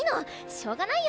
しょうがないよ。